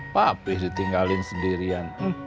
papih ditinggalin sendirian